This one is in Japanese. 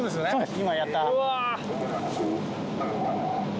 今やった。